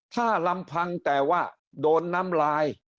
ถ้าลำพังแต่ว่าโดนน้ำลาย